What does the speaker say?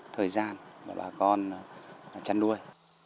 thời gian mà bà con chăn nuôi